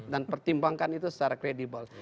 dan pertimbangkan itu secara kredibel